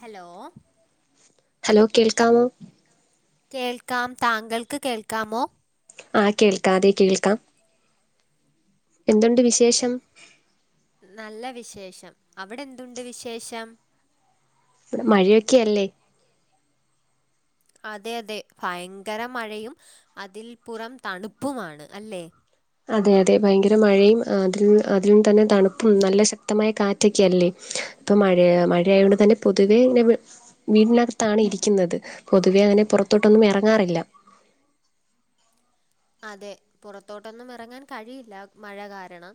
Hello hello കേൾക്കാമോ? കേൾക്കാം താങ്കൾക്ക് കേൾക്കാമോ ആഹ് കേൾക്കാം അതെ കേൾക്കാം എന്തുണ്ട് വിശേഷം? നല്ല വിശേഷം. അവിടെന്തുണ്ട് വിശേഷം ഇവടെ മഴയൊക്കെയല്ലേ അതെ അതെ ഭയങ്കര മഴയും, അതിൽ പുറം തണുപ്പുമാണ് അല്ലേ അതെ അതെ ഭയങ്കര മഴയും, അതിൽ അതിൽ നിന്ന് തന്നെ തണുപ്പും നല്ല ശക്തമായ കാറ്റൊക്കെയല്ലേ ത്ത് മഴയാ മഴയായോണ്ട് തന്നെ പൊതുവെ ന്നെവ് വീടിനകത്താണ് ഇരിക്കുന്നത് പൊതുവെ അങ്ങനെ പുറത്തോട്ടൊന്നും ഇറങ്ങാറില്ല അതെ പുറത്തോട്ടൊന്നും ഇറങ്ങാൻ കഴിയില്ല, മഴ കാരണം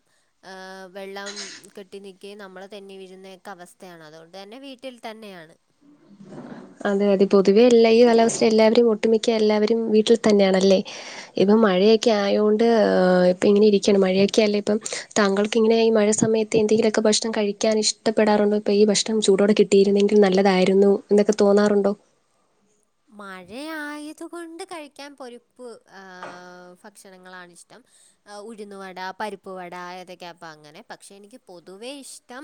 ആഹ് വെള്ളം കെട്ടി നിക്കയും നമ്മള് തെന്നി വീഴുന്നക്കെ അവസ്ഥയാണ് അതുകൊണ്ട് തന്നെ വീട്ടിൽ തന്നെയാണ് അതെ അതെ പൊതുവെ എല്ലാ ഈ കാലാവസ്ഥ എല്ലാവരും ഒട്ടുമിക്ക എല്ലാവരും വീട്ടിൽ തന്നെയാണല്ലേ ഇപ്പം മഴയൊക്കെ ആയൊണ്ട് ഇപ്പ ഇങ്ങനെ ഇരിക്കണ് മഴയൊക്കെല്ലേ ഇപ്പം താങ്കൾക്ക്ങ്ങനെഈ മഴ സമയത്ത് എന്തെങ്കിലൊക്കെ ഭക്ഷണം കഴിക്കാ ഇഷ്ടപ്പെടാുണ്ടോ ഇപ്പോ ഈ ഭക്ഷണം ചൂോടെ കിട്ടും കിട്ടിയിരുന്നെങ്കിൽ നല്ലതായിരുന്നു എന്നൊക്കെ തോന്നാറുണ്ടോ മഴയായതുകൊണ്ട് കഴിക്കാൻ പൊരിപ്പ് ആഹ് ഫക്ഷണങ്ങളാണിഷ്ടം ഉഴുന്നുവട പരിപ്പ്‌വട ഏതാക്കപ്പം അങ്ങനെ പക്ഷെ എനിക്ക് പൊതുവേ ഇഷ്ടം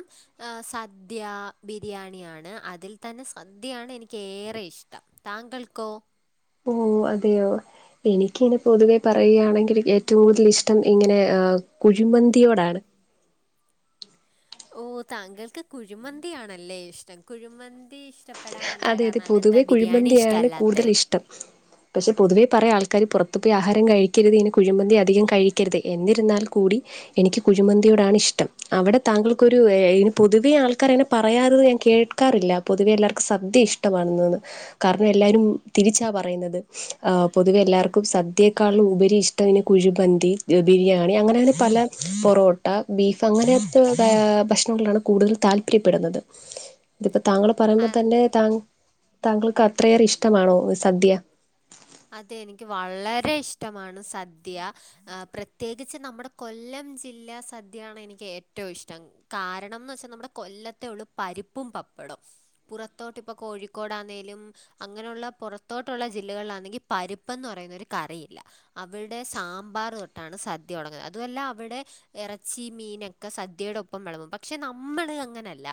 സദ്യ, ബിരിയാണിയാണ് അതിൽ തന്നെ സദ്യയാണ് എനിക്ക് ഏറെ ഇഷ്ടം. താങ്കൾക്കോ ഓ അതെയോ എനിക്കിനെ പൊതുവെ പറയുകയാണെങ്കിൽ ഏറ്റവും കൂടുതൽ ഇഷ്ടം ഇങ്ങനെ ആ കുഴിമന്തിയോടാണ്. ഓ താങ്കൾക്ക് കുഴിമന്തിയാണല്ലേ ഇഷ്ടം കുഴിമന്തി ഇഷ്ട പ്പെടാൻ എന്താ അതെ അതെ കാരണം അതെന്താ പൊതുവെ ബിരിയാണി കുഴിമന്തിയാണ് ഇഷ്ടമല്ലാത്തെ? [unintelligible] പക്ഷെ പൊതുവേ പറയാ ആൾക്കാര് പുറത്തു പോയി ആഹാരം കഴിക്കരുത് ഇങ്ങനെ കുഴിമന്തി അധികം കഴിക്കരുത് എന്നിരുന്നാൽ കൂടി എനിക്ക് കുഴിമന്തിയോടാണ് ഇഷ്ടം അവിടെ താങ്കൾക്കൊരു [unintelligible] പൊതുവേ ആൾക്കരങ്ങനെ പറയാറ് ഞാൻ കേ ക്കാറില്ല പൊതുവെ എല്ലാർക്കും സദ്യ ഇഷ്ടമാണെന്നുന് കാരണം എല്ലാരും തിരിച്ചാ പറയുന്നത്. പൊതുവെ എല്ലാർക്കും സദ്യേക്കാളും ഉപരി ഇഷ്ടം ഇങ്ങനെ കുഴിമന്തി, ബിരിയാണി, അങ്ങനെ അങ്ങനെ പല പൊറോട്ട, ബീഫ് അങ്ങനെത്തെ ആ ഭക്ഷണങ്ങളാണ് കൂടുതൽ താല്പര്യപ്പെടുന്നത്. ഇതിപ്പോ താങ്കൾ പറയുമ്പോൾ ആ തന്നെ താ താങ്കൾക്ക് അത്രയേറെ ഇഷ്ടമാണോ സദ്യ? അതെ നിക്ക് വളരെ ഇഷ്ടമാണ് സദ്യ ആ പ്രത്യേകിച്ച് നമ്മുടെ കൊല്ലം ജില്ലാ സദ്യയാണ് എനിക്ക് ഏറ്റവും ഇഷ്ടം. കാരണംന്ന് വെച്ചാൽ നമ്മുടെ കൊല്ലത്തെ ഉള്ളു പരിപ്പും പപ്പടും. പുറത്തോട്ട് ഇപ്പോ കോഴിക്കോടാന്നേലും അങ്ങനെയുള്ള പുറത്തോട്ടുള്ള ജില്ലകളിലാണെങ്കിൽ പരിപ്പ് എന്ന് പറയുന്ന ഒരു കറിയില്ല അവിടെ സാമ്പാർ തൊട്ടാണ് സദ്യ തുടങ്ങ അതുമല്ല അവിടെ ഇറച്ചി, മീനൊക്കെ സദ്യയുടെ ഒപ്പം വിളമ്പും പക്ഷെ, നമ്മള് അങ്ങനെയല്ല.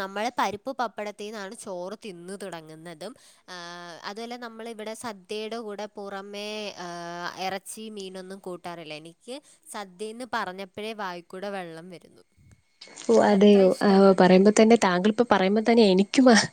നമ്മൾ പരിപ്പ് പപ്പടത്തിൽ നിന്നാണ് ചോറ് തിന്ന് തുടങ്ങുന്നതും ആ അതുമല്ല നമ്മള് ഇവിടെ സ ദ്യയുടെ കൂടെ പുറമെ ആ ഇറച്ചി മീനൊന്നും കൂട്ടാറില്ല എനിക്ക് സദ്യ എന്ന് പറഞ്ഞപ്പോഴേ വായിൽകൂടി വെള്ളം വരുന്നു ഓ എനിക്ക് അത്ര അതെയോ ഇഷ്ടമാണ് പറയുമ്പോ തന്നെ താങ്കളിപ്പൊ പറയുമ്പോൾ തന്നെ എനിക്കും ആഹ്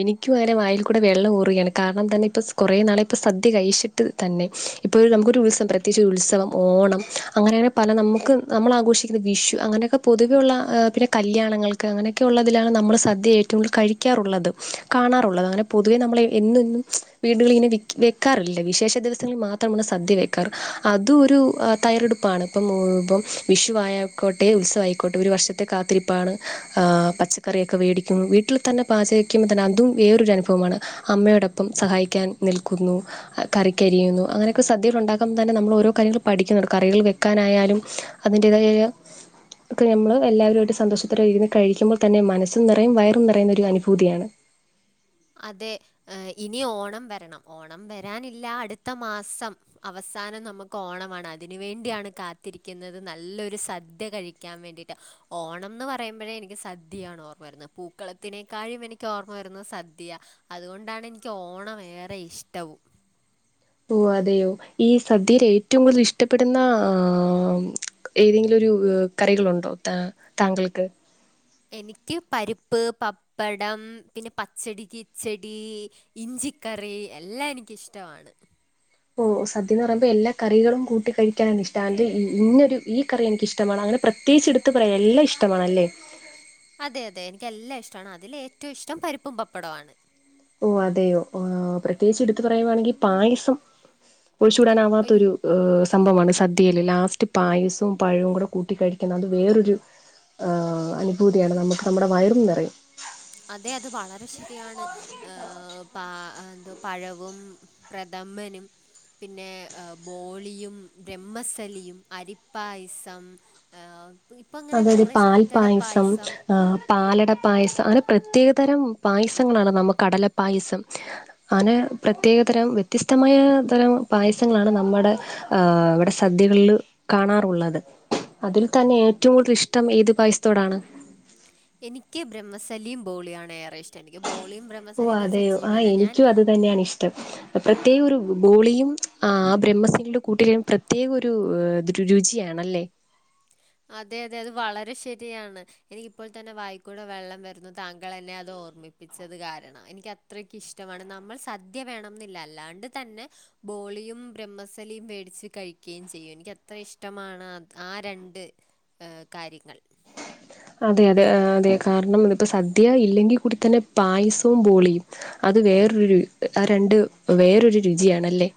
എനിക്കും അങ്ങനെ വായിൽ കൂടെ വെള്ളം ഊറുകയാണ് കാരണം തന്നെ ഇപ്പം കുറേ നാളായി ഇപ്പോൾ സദ്യ കഴിച്ചിട്ട് തന്നെ ഇപ്പോൾ ഒരു നമുക്കൊരു ഉത്സവം പ്രത്യേകിച്ച് ഒരു ഉത്സവം ഓണം അങ്ങനങ്ങനെ പല നമുക്ക് നമ്മൾ ആഘോഷിക്കുന്ന വിഷു അങ്ങനെയൊക്കെ പൊതുവെയുള്ള ആ പിന്നെ കല്യാണങ്ങൾക്ക് അങ്ങനെയൊക്കെ ഉള്ളതിലാണ് നമ്മൾ സദ്യ ഏറ്റവും കൂടുതൽ കഴിക്കാറുള്ളത് കാണാറുള്ളത് അങ്ങനെ പൊതുവെ നമ്മൾ എന്നുമെന്നും വീടുകളിലിങ്ങനെ വെക്കാറില്ല വിശേഷ ദിവസങ്ങളിൽ മാത്രമാണ് സദ്യ വെ ക്കാറ് അതും ഒരു തയ്യാറെടുപ്പാണ് ഇപ്പം വിഷു ആയിക്കോട്ടെ ഉത്സവായിക്കോട്ടെ ഒരു വർഷ കാത്തിരിപ്പാണ്, പച്ചക്കറിയൊക്കെ വേടിക്കുന്നു, വീട്ടിൽ തന്നെ പാചകിക്കുമ്പോൾ തന്നെ അതും വേറൊരു അനുഭവമാണ്. അമ്മയോടൊപ്പം സഹായിക്കാൻ നിൽക്കുന്നു. കറിക്കരിയുന്നു അങ്ങനെയൊക്കെ സദ്യകൾ ഉണ്ടാക്കുമ്പോ തന്നെ നമ്മൾ ഓരോ കാര്യങ്ങൾ പഠിക്കുന്നുണ്ട് കറികൾ വെക്കാനായാലും അതിൻ്റേതായ ഒക്കെ നമ്മൾ എല്ലാവരുമായിട്ട് സന്തോഷത്തോടെ ഇരുന്ന് കഴിക്കുമ്പോൾ തന്നെ മനസ്സും നിറയും വയറും നിയുന്ന ഒരനുഭൂതിയാണ്. അതെ ഇനി ഓണം വരണം ഓണം വരാനില്ല അടുത്ത മാസം അവസാനം നമുക്ക് ഓണമാണ് അതിന് വേണ്ടിയാണ് കാത്തിരിക്കുന്നത് നല്ലൊരു സദ്യ കഴിക്ക ക്കൻവേണ്ടിട്ട് ഓണം എന്ന് പറയുമ്പോഴേ എനിക്ക് സദ്യയാണ് ഓർമ്മ വരുന്നത് പൂക്കളത്തിനേക്കാളും എനിക്ക് ക്ക് ഓർമ്മ വരുന്നത് സദ്യ അതുകൊണ്ടാണ് എനിക്ക് ഓണം ഏറെ ഇഷ്ടവും. ഓ അതെയോ ഈ സദ്യയിൽ ഏറ്റവും കൂടുതൽ ഇഷ്ടപ്പെടുന്ന ആ ഏതെങ്കിലുമൊരു കറികളുണ്ടോ താ താങ്കൾക്ക്. എനിക്ക് പരിപ്പ്, പപ്പടം, പിന്നെ പച്ചടി, കിച്ചെടി ഇഞ്ചിക്കറി എല്ലാം എനിക്കിഷ്ടമാണ്. ഓ സദ്യ എന്ന് പറയുമ്പോൾ എല്ലാ കറികളും കൂട്ടി കഴിക്കാനാണ് ഇഷ്ടം അ ഇന്നൊരു ഈ കറി എനിക്കിഷ്ടമാണ് അങ്ങനെ പ്രത്യേകിച്ച് എടുത്ത് പറയാൻ എല്ലാം ഇഷ്ടമാണല്ലേ? അതെ അതെ എനിക്ക് എല്ലാം ഇഷ്ടമാണ് അതിലേറ്റവും ഇഷ്ടം പരിപ്പും പപ്പടവാണ്. ഓ അതെയോ പ്രത്യേകിച്ച് എടുത്തു പറയുവാണെങ്കിൽ പായസം അയ്യോ! ഒഴിച്ചുകൂടാനാവാത്തൊരു സംഭവമാണ് സദ്യയിൽ ലാസ്റ്റ് പായസവും പഴവും കൂടെ കൂട്ടി കഴിക്കുന്നത് അത് വേറൊരു ആ അനുഭൂതിയാണ് നമുക്ക് നമ്മുടെ വയറും നിറയും. അതെ അത് വളരെ ശരിയാണ് പ എന്തോ പഴവും പ്രഥമനും പിന്നെ ബോളിയും ബ്രഹ്മസലിയും അരിപ്പായസം ആഹ അതായത് പാൽ പായസം ആ് പാലട പായസം അങ്ങനെ പ്രത്യേകതരം പായസങ്ങളാണ് നമ്മ കടലപ്പായസം അനെ പ്രത്യേക തരം വ്യത്യസ്തമായ തരം പായസങ്ങളാണ് നമ്മടെ ആ ഇവിടെ സദ്യകളിൽ കാണാറുള്ളത്.. അതിൽ തന്നെ ഏറ്റ ഏറ്റവും കൂടുതൽ ഇഷ്ടം ഏത് പായസത്തോടാണ് എനിക്ക് ബ്രഹ്മസലിയും ബോളിയാണ് ഏറെ ഇഷ്ടം എനിക്ക് ബോളിയും ബ്രത്മ ഓ അതെയോ ആഹ് എനിക്കും അത് തന്നെയണി ഷ്ട്ടം പ്രത്യേക ഒരു ബോളിയും ആ ബ്രഹ്മസലി യുടെ കൂട്ടിലും പ്രത്യേക ഒരു രുചിയാ ണല്ലേ അതെതെ അത് വളരെ ശരിയാണ് എനിക്കിപ്പോൾ തന്നെ വായിക്കൂടെ വെള്ളം വരുന്നു താങ്കൾ എന്നെ അത് ഓർമ്മിപ്പിച്ചത് കാരണം എനിക്കത് അത്രക്ക് ഇഷ്ട്ട മാണ് നമ്മൾ സദ്യ വേണം ന്നില്ല അല്ലാണ്ട് തന്നെ ബോളിയും ബ്രഹ്മസലിയും വേ ടിച്ച് കഴിക്കുകയും ചെയ്യും എനിക്ക് അത്ര ഇഷ്ടമാണ് ആ രണ്ട് ണ്ട് കാര്യങ്ങൾ അതെ അതെ അതെ കാരണം ഇതിപ്പൊ സദ്യ ഇല്ലെങ്കിൽ കൂടി തന്നെ പായസവും ബോളിയും അത് വേറൊരു ആ രണ്ട് വേറൊരു രുചിയാ ണല്ലേ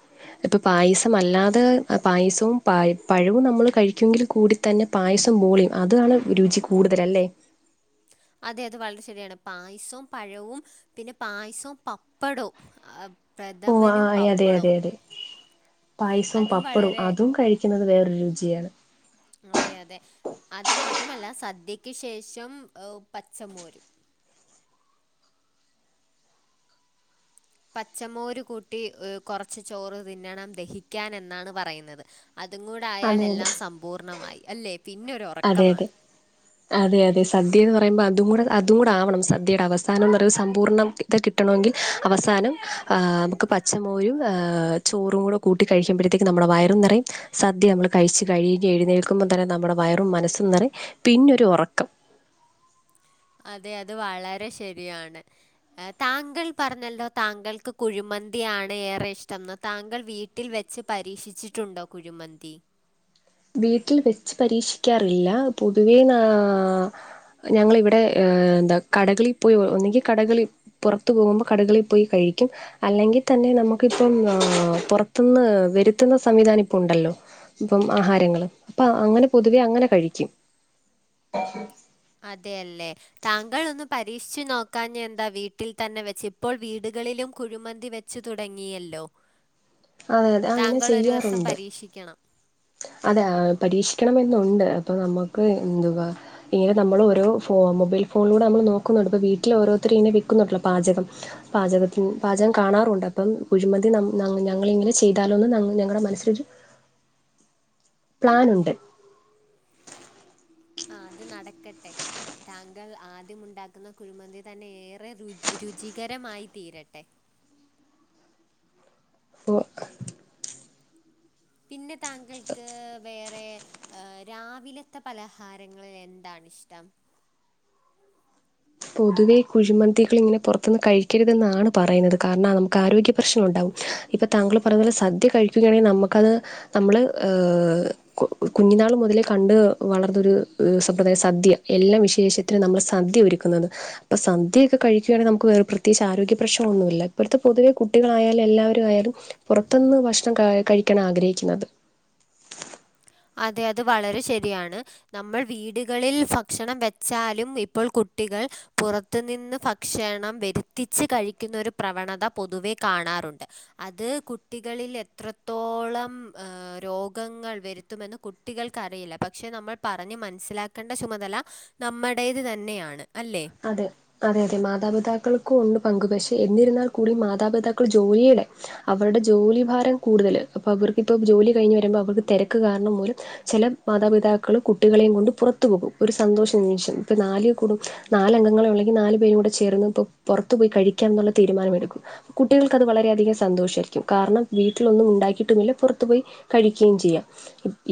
ഇപ്പ പായസംമല്ലാതെ പായസവും പ പഴവും നമ്മൾ കഴിക്കുവെ ങ്കിൽ കൂടി തന്നെ പായസം ബോളിയും.. അതാണ് രുചി കൂടുതൽ അല്ലേ അതെ അത് വളരെ ശെരിയാണ്.. പായസവും പഴവും പിന്നെ പായസും പപ്പടവും ആ ഓ ആ പ്രഥമനും അതെ അതെ പപ്പടവും അതെ... പായസും അതും പപ്പടും വളരെ അതും കഴി ക്കുന്നത് വേറൊരു രുചിയാണ് അതെ അതെ... അത് മാത്രമല്ല സദ്യക്ക് ശേഷം പച്ചമോരും... പച്ചമോര് കൂട്ടി കുറച്ച് ചോറ് തിന്നണം ദഹിക്കാൻ എന്നാണ് പറയുന്നത്.. അതും കൂടെ ആയാൽ അതെ അതെ എല്ലാം സമ്പൂർണ്ണമായി.. അല്ലേ.. പിന്നൊരു ഉറക്ക് അതെ അതെ അതെ അതെ സദ്യ എന്ന് പറയുമ്പോ അതും കൂടെ അതും കൂടെ ആവണം... സദ്യയുടെ അവസാനം സമ്പൂർണ്ണ ത കിട്ടണമെങ്കിൽ അവസാനം നമുക്ക്... പച്ചമോരും... ചോറും കൂടെ കൂട്ടി കഴിക്കുമ്പഴത്തേക്ക് നമ്മുടെ വയറും നിറയും.. സദ്യ നമ്മൾ കഴിച്ച് കൈ കഴുകി എഴുന്നേൽക്കുമ്പോൾ തന്നെ നമ്മുടെ വയറും മനസ്സും നിറയും... പിന്നൊരു ഉറക്കം അതെ... അത് വളരെ ശരിയാണ് താങ്കൾ പറഞ്ഞല്ലോ താങ്കൾക്ക് കുഴിമന്തിയാണ് ഏറെ ഇഷ്ടംന്ന്.... താങ്കൾ വീട്ട ട്ടിൽ വെച്ച് പരീക്ഷിച്ചിട്ടുണ്ടോ കുഴമന്തി.. വീട്ടിൽ വെച്ച് പരീക്ഷിക്കാറില്ല പൊതുവേ ന...... ഞങ്ങളിവിടെ എന്താ കടകളിൽ പോയി ഒന്നെങ്കിൽ കടകളിൽ പുറത്തു പോകുമ്പോൾ കടകളിൽ പോയി കഴിക്കും അല്ലെങ്കിൽ തന്നെ നമുക്കിപ്പം പുറത്തുന്ന് വരുത്തുന്ന സംവിധാനം ഇപ്പ ഉണ്ടല്ലോ... ഇപ്പം ആഹാരങ്ങള്.. അപ്പൊ അങ്ങനെ പൊതുവെ അങ്ങനെ കഴിക്കും അതെല്ലേ താങ്കൾ ഒന്ന് പരീക്ഷിച്ചു നോക്കഞ്ഞെ എന്താ വീട്ടിൽ തന്നെ വെച്ച്.. ഇപ്പോൾ വീടുകളിലും കുഴിമന്തി വെ ച്ചു തുടങ്ങിയല്ലോ.. അതെ അതെ അങ്ങനെ ചെയ്യാറുണ്ട് രീക്ഷിക്കണം അതെ പരീക്ഷിക്കണമെന്നുണ്ട്. അപ്പൊ നമുക്ക് എന്തുവാ.. ഇങ്ങനെ നമ്മൾ ഓരോ ഫോ മൊബൈൽ ഫോണിലൂടെ നമ്മൾ നോക്കുന്നുണ്ട്.. അപ്പൊ വീട്ടില് ഓരോരുത്തർ ഇങ്ങനെ വിക്കുന്നുണ്ടല്ലോ പാചകം പാചകത്തി പാചകം കാണാറുണ്ട്.. അപ്പം കുഴിമന്തി നമ്മ.. ഞങ്ങളിങ്ങനെ ചെയ്താലോന്ന് ഞങ്ങളുടെ മനസ്സിലൊരു പ്ലാനുണ്ട് ആ അത് നടക്കട്ടെ താങ്കൾ ആദ്യം ഉണ്ടാക്കുന്ന കുഴിമന്തി തന്നെ ഏറെ രുചി രുചികരമായി തീരട്ടെ പൊ പിന്നെ താങ്കൾക്ക് വേറെ ഏ.. രാവിലത്തെ പലഹാരങ്ങളിൽ എന്താണിഷ്ടം പൊതുവെ കുഴിമന്തികൾ ഇങ്ങനെ പുറത്തുന്ന് കഴിക്കരുതെന്നാണ് പറയുന്നത് കാരണം നമുക്ക് ആരോഗ്യ പ്രശ്നങ്ങള്ണ്ടാവും ഇപ്പം താങ്കൾ പറഞ്ഞ ലെ സദ്യ കഴിക്കുകയാണെങ്കിൽ നമ്മക്കത്. ഹ് നമ്മള് ഹ് കു കുഞ്ഞിനാള് മുതലേ കണ്ട് വളർന്നൊരു സമ്പ്രദായം സദ്യ. എല്ലാം വിശേഷത്തിന് നമ്മള് സദ്യ ഒരുക്കുന്നത്. ഇപ്പൊ സദ്യയൊക്കെ കഴിക്കുകയാണെങ്കി നമുക്ക് വേറെ പ്രത്യേകിച്ച് ആരോഗ്യ പ്രശ്നം ഒന്നുമില്ല ഇപ്പോഴത്തെ പൊതുവെ കുട്ടികളായാലും എല്ലാവരുമായാലും പുറത്തുന്ന് ഭക്ഷണം കഴിക്കൻ ആഗ്രഹിക്കുന്നത് അതെ അത് വളരെ ശരിയാണ് നമ്മൾ വീടുകളിൽ ഫക്ഷണം വെച്ചാലും ഇപ്പോൾ കുട്ടികൾ പുറ ത്ത് നിന്ന് ഭക്ഷണം വരുത്തിച്ച് കഴിക്കുന്ന ഒരു പ്രവണത പൊതുവെ കാണാറുണ്ട്... അത് കു ട്ടികളിൽ എത്രത്തോളം രോഗങ്ങൾ വരുത്തി ത്തുമെന്ന് കുട്ടികൾക്കറിയില്ല... പക്ഷെ നമ്മൾ പറഞ്ഞ് മനസ്സിലാക്കേണ്ട ചുമതല നമ്മുടേത് തന്നെയാണ് അല്ലേ അതെ അതെ അതെ മാതാപിതാക്കൾക്കുണ്ട് പങ്ക്.. പക്ഷെ എന്നിരുന്നാൽ കൂടി മാതാപിതാക്കൾ ജോലിയുടെ അവരുടെ ജോലി ഭാരം കൂടുതല് അപ്പൊ അവർക്ക് ഇപ്പോ ജോലി കഴിഞ്ഞ് വരുമ്പോ അവർക്ക് തിരക്ക് കാരണം മൂലം ചില മാതാപിതാക്കൾ കുട്ടികളെയും കൊണ്ട് പുറത്തു പോകും ഒരു സന്തോഷം നിമിഷം ഇപ്പൊ നാല് കൂടും നാല അംഗങ്ങളെ ഒള്ളെങ്കിൽ നാല് പേരും കൂടെ ചേർന്ന് പൊ പൊറത്ത് പോയി കഴിക്കന്നുള്ള തീരുമാനമെടുക്കും. കുട്ടികൾക്കത് വളരെയധികം സന്തോഷയിരിക്കും. കാരണം വീട്ടിലൊന്നും ണ്ടാക്കിയിട്ടുമില്ല പുറത്തു പോയി. കഴിക്യേം ചെയ്യാം.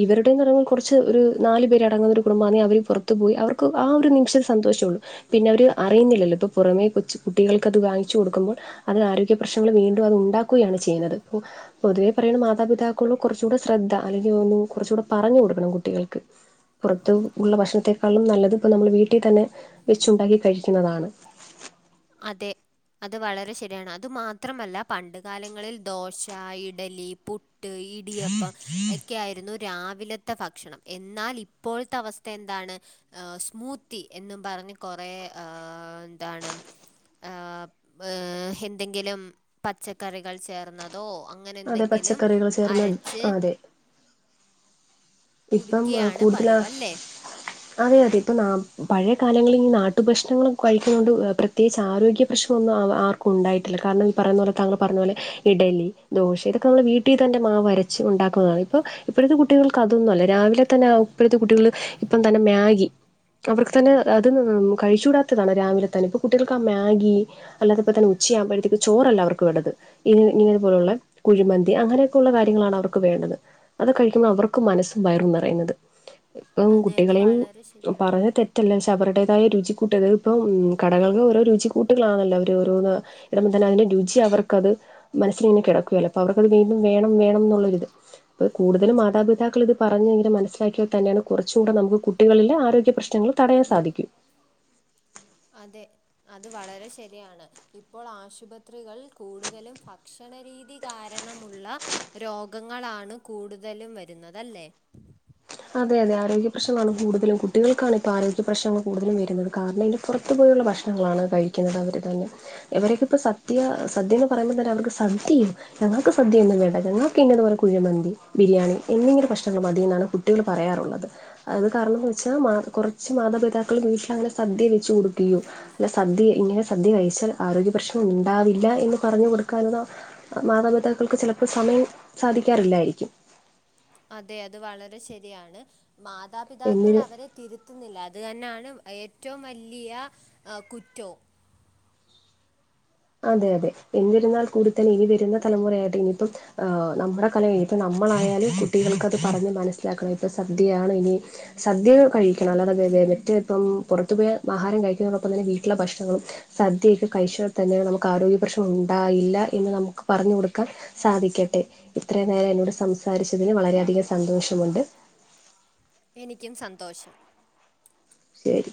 ഇവരുടെ ന്ന് റഞ്ഞ കുറച്ച് ഒരു നാല് പേര് അടങ്ങുന്ന ഒരു കുടുംബന്നെ അവര് പുറത്തു പോയി അവർ. ഹോ, ആ ഒരു നിമിഷം സന്തോഷോണ്. പിന്നെ അവര് അറിയുന്നില്ലല്ലോ പ്പൊ പുറമേ കൊച്ചു കുട്ടികൾകത് വാങ്ങിച്ചു കൊടുക്കുമ്പോൾ. അത് ആരോഗ്യ പ്രശ്നങ്ങൾ വീണ്ടും അത് ഉണ്ടാക്കുകയാണ് ചെയ്യുന്നത്. ഹും പൊതുവേ പറയ്ണ് മാതാപിതാക്കള് കുറച് കൂടെ ശ്രദ്ധ, അല്ലെങ്കിൽ കുറച്ചു കൂടെ പറഞ്ഞു കൊടുക്കണം കുട്ടികൾക്ക്. പുറത് ഉള്ള ഭക്ഷണത്തെക്കാളും നല്ലത് ഇപ്പ നമ്മൾ വീട്ടി തന്നെ വെച്ചുണ്ടാക്കി കഴിക്കുന്നതാണ്. അതെ. അത് വളരെ ശരിയാണ്. അത് മാത്രമല്ല പണ്ട് കാലങ്ങളിൽ ദോശ, ഇഡലി, പു ട്ട്, ഇടിയപ്പ, എക്കെ ആയിരുന്നു. രാവിലത്തെ ഫക്ഷണം എന്നാൽ ഇപ്പോഴത്തെ അവസ്ഥ എന്താണ്? അ സ്മൂത്തി എന്നും പറഞ്ഞ് കൊറേ ആ ന്താണ്? ആ പ് എന്തെങ്കിലും പച്ചക്കറികൾ ചേർന്നതോ? ആ ങ്ങനെ അതെ ന്തെങ്കിലും പച്ചക്കറികൾ ചേർന്ന അരച്ച്. അതെ ഇപ്പം ആഹ് കുടിക്കുകയാണ് കൂടുട്തലാ. പതിവ് അല്ലേ അതെ, അതെ, ഇപ്പം ന പഴയ കാലങ്ങളിൽ ഈ നാട്ടു ഭക്ഷ്ണങ്ങൾ ക ഴിക്കുന്ന കൊണ്ട് പ്രത്യേകിച്ച് ആരോഗ്യ പ്രശ്നം ഒന്നും ആവ ആർക്കും. ഉണ്ടായിട്ടില്ല, കാരണം ഈ പറയുന്ന പോലെ താങ്കൾ പറഞ്ഞതു പോലെ. ഇഡലി, ദോശ, ഇതൊക്കെ നമ്മൾ വീട്ടി തന്നെ മാവ രച്ച് ഉണ്ടാക്കുന്നതാണ്. ഇപ്പൊ ഇപ്പോഴത്തെ കുട്ടികൾക്ക് അത്. തൊന്നല്ല, രാവിലെ തന്നെ ആ ഉപ്പഴത്തെ കുട്ടികള് ഇപ്പം തന്നെ മ്യാഗി. അവർക്ക് തന്നെ അത്.. കഴിച്ചൂടാത്തതാണ് രാവിലെ തന്നെ ഇപ്പൊ കുട്ടികൾക്ക് ആ മ്യാഗി. അല്ലാ അത് ഇപ്പോ തന്നെ ഉച്യാ ആകു മ്പഴത്തേക്ക് ചോറല്ല അവർക്ക് വേണ്ടത്. ഇ ഇങ്ങനെ പോലുള്ള കുഴിമന്തി അങ്ങനെയൊക്കെയുള്ള കാര്യങ്ങളാണ് അവർക്ക് വേണ്ടത് അത് കഴിക്കുമ്പോൾ അവർക്ക് ക്കും മനസ്സും വയറും നിറയുന്നത്. ഉം അതെ അത് കുട്ടികളെയും വളരെ ശരിയാണ് പറയ തെറ്റ റ്റെല്ലാം സവറടേതായ രുചിക്കൂട്ടിയത്, ഇപ്പം കടകൾള് ഓരോ രുചിക്കൂട്ടുകളാണല്ലോ. അവർ ഓരോന്ന്. [unintelligible] രുചി അവർക്ക് അത് മനസ്സിൽ ഇങ്ങനെ കിടക്കുകയല. അവർക്കത് വീണ്ടും വേണം, വേണം, ന്നുള്ളരുത്. കൂടുതലും മാതാപിതാ മക്കളിത് പറഞ്ഞ ങ്ങനെ മനസിലാക്കി യ തന്നെയാണ് കുറച്ചുടെ നമുക്ക് കുട്ടികളെ ആരോഗ്യ പ്രശ്നങ്ങൾ തടയാൻ സാധിക്കും. അതെ അത് വളരെ ശരിയാണ്. ഇപ്പോൾ ആശുപത്രികൾ കൂടുതലും ഭക്ഷണരീതി കാരണമുള്ള രോഗങ്ങളാണ് കൂടുതലും വരുന്നതല്ലേ അതെ അതെ ആരോഗ്യ പ്രശ്നംമാണ് കൂടുതലും കുട്ടികൾക്കാണ് ഇപ്പ ആരോഗ്യ പ്രശ്നങ്ങൾ കൂടുതലും വരുന്നത് കാരണ ഇപ്പ അതുപോലുള്ള ഭക്ഷണങ്ങളാണ് കഴിക്കുന്നത് അവര് തന്നെ ഇവരൊക്ക ഇപ്പൊ സദ്യ സദ്യ എന്ന് പറയുമ്പോ തന്നെ അവർക്ക് സദ്യയോ ഞങ്ങൾക്ക് സദ്യയൊന്നും വേണ്ട ഞങ്ങൾക്ക് ഇങ്ങനെ കുഴിമന്തി ബിരിയാണി എന്നിങ്ങനെ ഭക്ഷണൾ മതി എന്നാണ് കുട്ടി കുട്ടികള് പറയാറുള്ളത് അത് കാരണം എന്ന് വെച്ചാൽ മാ കുറച്ച് മാതാപിതാക്കൾ വീട്ടിൽ അങ്ങനെ സദ്യ വെച്ചു കൊടുക്കുകയോ അല്ല സദ്യ ഇങ്ങനെ സദ്യ കഴിച്ചാൽ ആരോഗ്യ പ്രശ്നം ഉണ്ടാവില്ല എന്ന് പറഞ്ഞു കൊടുക്കാന മാതാപിതാക്കൾക്ക് ചിലപ്പോ സമയം സാധിക്കാറില്ലായിരിക്കും അതെ അത് വളരെ ശരിയാണ് മാതാപിതാക്കൾ എന്നിരു അവരെ തിരുത്തുന്നില്ല അത് തന്നെയാണ് ഏറ്റവും വലിയ കുറ്റവും അതെ അതെ എന്നിരുന്നാൾ കൂടുതന്നെ ഇനി വരുന്ന തലമുറയായിട്ട് ഇനിയിപ്പം ഹ് നമ്മുടെ കൈയിലാ ഇപ്പൊ നമ്മളായാലും കുട്ടികൾക്ക് അത് പറഞ്ഞ് മനസ്സിലാക്കണം ഇപ്പൊ സദ്യയാണ് ഇനി സദ്യ ഒക്കെ കഴിക്കണം അല്ലാത മറ്റേ ഇപ്പം പുറത്തുപോയി ആഹാരം കഴിക്കുന്നതോടൊപ്പം തന്നെ വീട്ടിലുള്ള ഭക്ഷണവും സദ്യയൊക്കെ കഴിച്ചൽ തന്നെ നമുക്ക് ആരോഗ്യ പ്രശ്നം ഉണ്ടാവില്ല എന്ന് നമുക്ക് പറഞ്ഞു കൊടുക്കാൻ സാധിക്കട്ടെ ഇത്രയും നേരം എന്നോട് സംസാരിച്ചതിന് വളരെയധികം സന്തോഷമുണ്ട് എനിക്കും സന്തോഷം ശരി